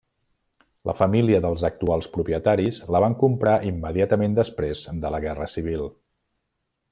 La família dels actuals propietaris la van comprar immediatament després de la Guerra Civil.